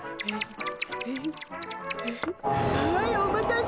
はいお待たせ。